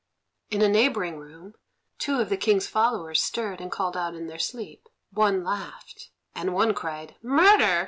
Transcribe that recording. In a neighbouring room two of the King's followers stirred and called out in their sleep. One laughed, and one cried "Murder!"